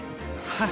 はい。